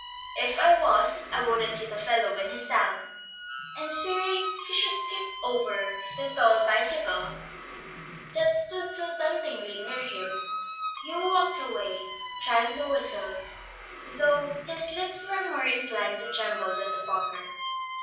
"If I was, I wouldn't hit a fellow when he's down;" and fearing he should kick over the tall bicycle that stood so temptingly near him, Hugh walked away, trying to whistle, though his lips were more inclined to tremble than to pucker.